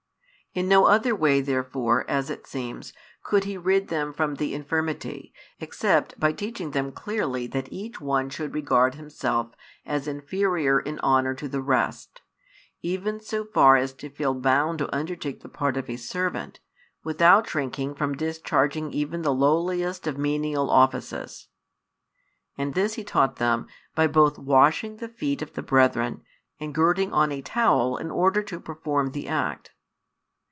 In no other way therefore (as it seems) could He rid them from the infirmity, except by teaching them clearly that each one should regard himself as inferior |175 in honour to the rest, even so far as to feel bound to undertake the part of a servant, without shrinking from discharging even the lowest of menial offices; [and this He taught them] by both washing the feet of the brethren and girding on a towel in order to perform the act.